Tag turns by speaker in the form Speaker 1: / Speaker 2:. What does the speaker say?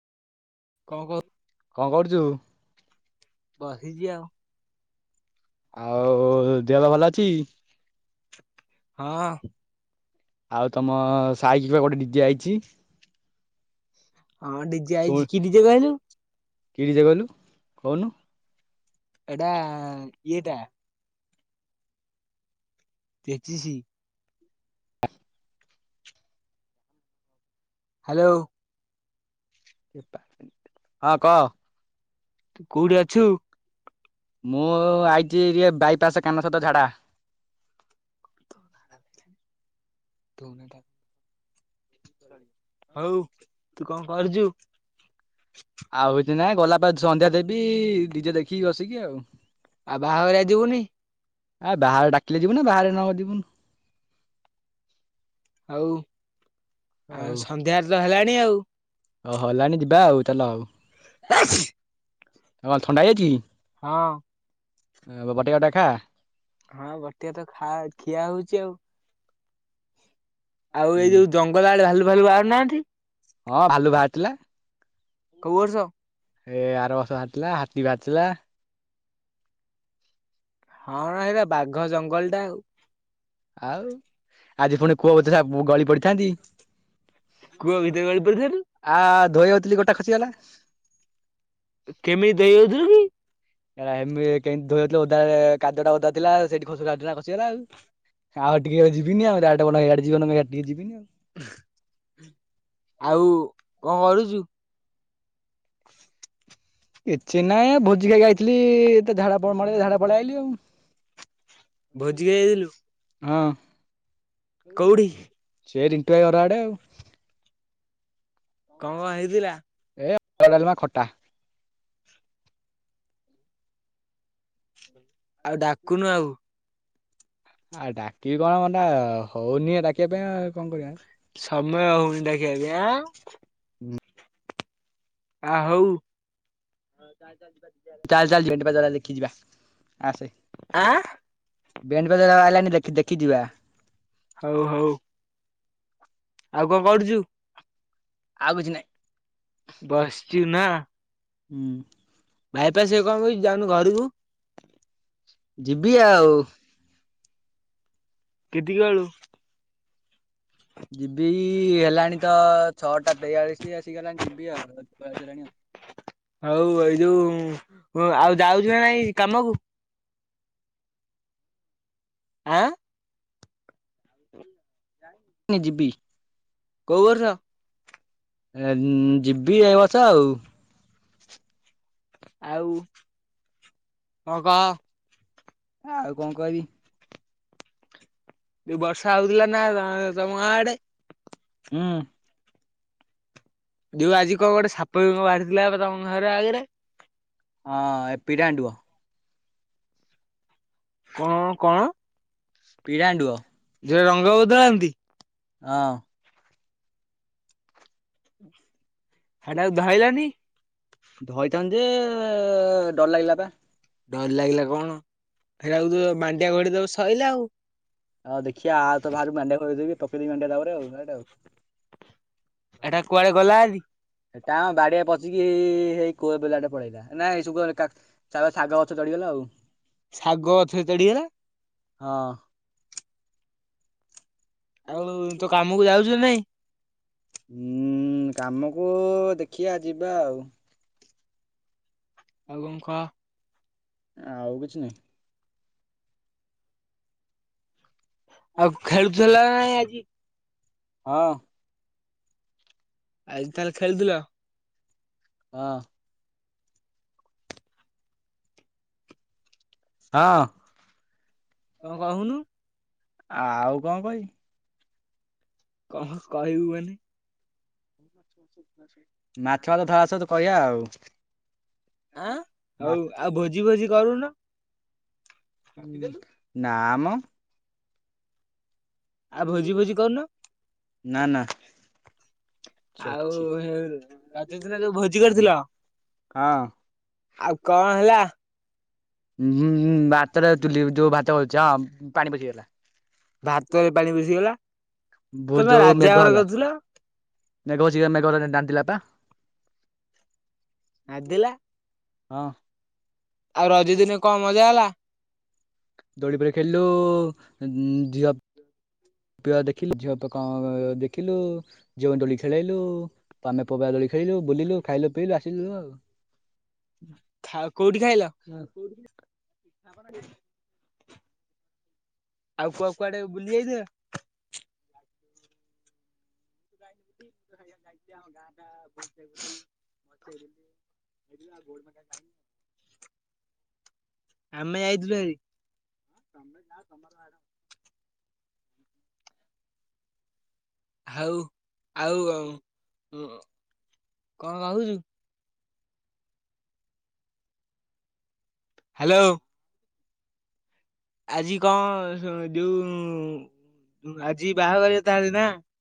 Speaker 1: କଣ କରୁଚୁ?
Speaker 2: ବସିିଚି ଆଉ।
Speaker 1: ଆଉ ଦେହ ଫେଅ ଭଲ ଅଛି।
Speaker 2: ହଁ।
Speaker 1: ଆଉ ତମ ସାାଇକି ଵା ଗୋଟେ ଡିଜେ ଆଇଛି।
Speaker 2: ଅଂ ଡିଜେ ଆଇଛି। କିଏ ଡିଜେ କହିଲୁ?
Speaker 1: କି ଡିଜେ କହିଲୁ? କହୁନୁ?
Speaker 2: ଏଟାଆ ଆଁ ଇଏ ଟା। [unintelligible] ହ୍ୟଲୋଓ!
Speaker 1: ହଁ କହ।
Speaker 2: ତୁ କୋଉଡି ଅଛୁ?
Speaker 1: ମୁଁ ଆଇଚି ଟିକେ ବାଇପାସ କାନ ସତ ଝାଡା।
Speaker 2: ତୋ ନାଟା ବେ? ତୁମେ ତ ସରି, ହଉ ତୁ କଣ କରୁଚୁ?
Speaker 1: ଆଉ କିଛି ନାଇଁ ଗଲା ପରେ ସନ୍ଧ୍ୟା ଦେବି ଡି ଜେ ଦେଖିକି ବସିକି ଆଉ।
Speaker 2: ଆ ବାହାଘରିଆ ଯିବୁନି।
Speaker 1: ଆ ବାହାଘର ଡାକିଲେ ଯିବୁ ନା ବାହାରେ ନ ଯିବୁନୁ।
Speaker 2: ଉ ଆଉ ସନ୍ଧ୍ୟାରେ ତ ହେଲାଣି ଆଉ।
Speaker 1: ଓହୋ ହେଲାଣି ଯିବା ଆଉ, ଚାଲ ଆଉ। ନମାଲ ଥଣ୍ଡା ହେଇଚି।
Speaker 2: ହଁ।
Speaker 1: ଏଁ ବ ବଟିକା ଟା ଖାଆ।
Speaker 2: ହଁ ବଟିକା ତ ଖା ଖିଆ ହୋଉଚି ଆଉ। ଆଉ ଏଇ ଯୋଉ ଜଙ୍ଗଲ ଆଡେ ଭାଲୁ ଫାଲୁ ବାହାରୁନାହାନ୍ତି।
Speaker 1: ହଁ ଭାଲୁ ବାହାରିଥିଲା।
Speaker 2: କୋଉ ବର୍ଷ।
Speaker 1: ଏ ଆର ବର୍ଷ ବାହାରିଥିଲା ହାତୀ ବାହାରିଥିଲା।
Speaker 2: ହଁ ରେ ଏଇଟା ବାଘ ଜଙ୍ଗଲ ଟା ଆଉ।
Speaker 1: ଆଉ ଆଜି ପୁଣି କୂଅ ଭିତରା ମୁଁ ଗଳି ପଡିଥାନ୍ତି। ଆ ଧୋଇ ହୋଉଥିଲି ଗୋଡ଼ଟା ଖସିଗଲା।
Speaker 2: କେମିତି ଧେଇ ହୋଉଥୁଲୁ କି?
Speaker 1: ହେରା ହେମି କେନ୍ତି ଧୋଇହୋଉଥୁଲୁ ଓଦା ରେ କାଦୁଅ ଟା ଓଦା ଥିଲା ସେଇଠି ଖସଡା ଥିଲା ଖସିଗଲା ଆଉ। ଆଉ ଟିକେ ବେଳେ ଯିବିନିଆଉ [unintelligible] ଯିବିନି ଆଉ।
Speaker 2: [inaudible] ଆଉ କଣ କରୁଛୁ?
Speaker 1: ଏତେ ନାଇଁ ଭୋଜିିକା ଗାଇଥିଲି ଏତେ ଝାଡାଳ ଝାଡ଼ା ପଡ ଆଇଲି ଆଉ।
Speaker 2: ଭୋଜିଗ ଇଥିଲିଲ।
Speaker 1: ହଁ ସେ ରିନ୍ତୁଆ ଘର ଆଡ଼େ ଆଉ।
Speaker 2: କଣ କଣ ହେଇଥିଲା?
Speaker 1: ଏ ଅଡ଼ଲ ଖଟା।
Speaker 2: ଆଉ ଡାକୁନୁ ଆଉ।
Speaker 1: ଆଉ ଡାକି କଣ ମା ହଉନି ଡାକିବା ପାଇଁ କଣ କରିବା।
Speaker 2: ସମୟ ହଉନି [unintelligible] ଆ। ଆ ହଉ।
Speaker 1: ଖି ଯିବା। ଆ ସେ ବେଣ୍ଡ ବଜାର ଆଲାଣି ଦେଖ ଦେଖି ଯିବା।
Speaker 2: ହଉ ହଉ। ଆଉ କଣ କରୁଛୁ?
Speaker 1: ଆଉ କିଛି ନାଇଁ।
Speaker 2: ବସିଛୁ ନା।
Speaker 1: ହୁଁ।
Speaker 2: ବାଇପାସ କଣ କଛି ଯାଉନୁ ଘରକୁୁ।
Speaker 1: ଯିବି ଆଉ।
Speaker 2: କେତିଗଳୁ
Speaker 1: ଯିବି ହେଲାଣି ତ ଛଅଟା ତେୟାଳିଶ ଆସି କ ଯିବି ଆ ଚଣି
Speaker 2: ହଉ ଏଇ ଯୋଉ ଆଉ ଯାଉଛୁ ନା ନାଇଁ କାମକୁ? ଆଁ [inaudible]
Speaker 1: ଜିବି।
Speaker 2: କୋଉ ବର୍ଷ?
Speaker 1: ଯିବି ଏ ବର୍ଷ ଆଉ।
Speaker 2: ଆଉ କଣ କହ?
Speaker 1: ଆଉ କଣ କହିବି?
Speaker 2: ଏ ବର୍ଷା ହଉଥିଲା ନା ତମ ଗାଁ ଆଡେ?
Speaker 1: ହୁଁ।
Speaker 2: ଯୋଉ ଆଜି କଣ ଗୋଟେ ସାପ ବାହାରିଥିଲା ତମ ଘରେ ଆଗରେ?
Speaker 1: ହଁ ଏପଟାଣ୍ଡଆ
Speaker 2: କଣ କଣ ଯ ରଙ୍ଗ ବଦଳାନ୍ତି।
Speaker 1: ହଁ। ଧ ଧୋଇଥାନ୍ତ ଯେ ଡର ଲାଗିଲା ବା।
Speaker 2: ଡରି ଲାଗିଲା କଣ ଫରାକୁ ମାଣ୍ଡିଆ ଘଡି ଦବ ସରଲାା ଆଉ।
Speaker 1: ହଉ ଦେଖିବା ଆଉ ତ ବାହାରକୁ ମାଣ୍ଡିଆ କରି ଦେେବି ପକେଇଦି ମାଣ୍ଡିଆ ତାରେ ଆଉଟ ଆଉ।
Speaker 2: ଏଟା କୁଆଡେ ଗଲା ଆଜି?
Speaker 1: ଟା ବାଡିଆ ପଚିକି ସେଇ କୋଅ ବିଲାଟେ ପଳେଇଲା ନା ଏଇସୁ ଶାଗ ଗଛ ଚଢିଗଲା। ହଉ।
Speaker 2: ଶାଗ ଗଛ ଚଢିଗଲା।
Speaker 1: ହଁ। ହୁଁ। କାମକୁ ଦେଖିବା ଯିବା ଆଉ।
Speaker 2: ଆଉ କଣ କହ?
Speaker 1: ଆଉ କିଛି ନହିଁ।
Speaker 2: ଆଉ ଖେଳୁଥିଲା ନାଇଁ ଆଜି?
Speaker 1: ହଁ।
Speaker 2: ଆଜି ତାହେଲେ ଖେଳୁଥିଲ?
Speaker 1: ହଁ।
Speaker 2: ହଁ କଣ କହୁନୁ?
Speaker 1: ଆଉ କଣ କହିବି?
Speaker 2: କଣ କହିବୁ ବେଲି
Speaker 1: ମାଛ ପାଛ ଧରା ସରୁ କହିଆ ଆଉ।
Speaker 2: ଆଁ ଆଉ ଆଉ ଭୋଜି ଫୋଜି କରୁନ?
Speaker 1: ନାମ।
Speaker 2: ଆଉ ଭୋଜି ଫୋଜି କରୁନ?
Speaker 1: ନା ନା।
Speaker 2: ଆଉ ରଜ ଦିନ ଯୋଉ ଭୋଜି କରିଥିଲ ଆଉ କଣ ହେଲା?
Speaker 1: ହୁଁ-ହୁଁ-ହୁଁ ଭାତରେ ଚୁଲି ଯୋଉ ଭାତ ହଉଛି ପାଣି ପଶିଗଲା।
Speaker 2: ଭାତରେ ପାଣି ପଶିଗଲା?
Speaker 1: ବହୁତ ଜୋ ମେଘ ହେଲା। ମେଘ ହଉଛି କାଇଁ ମେଘ [unintelligible] ତା
Speaker 2: ନାଗିଲା
Speaker 1: ହଁ।
Speaker 2: ଆଉ ରଜ ଦିନେ କଣ ମଜା ହେଲା?
Speaker 1: ଦୋଳି ଫୋଳି ଖେଳିଲୁ ଉମ୍ ଝିଅ ପିଇବା ଦେଖିଲୁ ଝିଅ ଫିଅ କାଁ ଦେଖିଲୁ। ଯୋଉ ଦୋଳି ଖେଳେଇଲୁ। ତ ଆମେ ପଘା ଦୋଳି ଖେଳିଲୁ ବୁଲିଲୁ ଖାଇଲୁ ପିଇଲୁ ଆସିଲୁ ଆଉ।
Speaker 2: ଖା କୋଉଠି ଖାଇଲ?
Speaker 1: [inaudible]
Speaker 2: ଆଉ କୁଆ କୁଆଡେ ବୁଲି ଯାଇଥିଲ? [unintelligible] ଯାଇଛି ଆମ ଗାଁ ଟା [unintelligible] ମଟା ଖାଇ [inaudible] ଆମେ ଯାଇଥିଲୁ ହାରି। ଆଉ ଆଉ ଉଁ କଣ କାଉଚୁ? ହ୍ୟାଲୋ। ଆଜି କଣ ଯୋଉ ଆଜି ବାହାଘରିଆ ତାହେଲେ ନା?